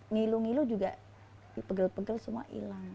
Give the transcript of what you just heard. ngilu ngilu juga dipegal pegel semua hilang